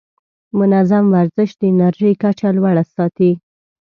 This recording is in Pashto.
منظم ورزش د انرژۍ کچه لوړه ساتي.